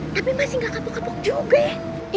tapi masih gak kapok kapok juga ya